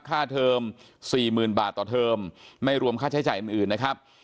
ค่าเทอม๔๑๐๐๐บาทต่อเทอมไม่รวมค่าใช้จ่ายอื่นนะครับ